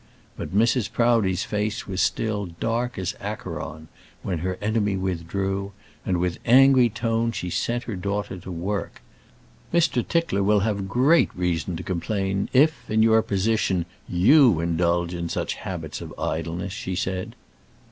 But Mrs. Proudie's face was still dark as Acheron when her enemy withdrew, and with angry tone she sent her daughter to her work. "Mr. Tickler will have great reason to complain if, in your position, you indulge such habits of idleness," she said.